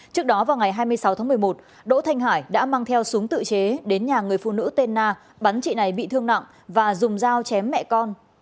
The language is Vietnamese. trước đó vào ngày hai mươi sáu tháng một mươi một đỗ thanh hải đã mang theo súng tự chế đến nhà người phụ nữ tên na bắn chị này bị thương nặng và dùng dao chém mẹ con